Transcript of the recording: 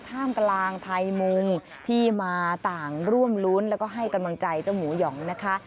ท่ามกลางไทยมุงที่มาต่างร่วมรุ้นแล้วก็ให้กำลังใจเจ้าหมูหยองนะคะ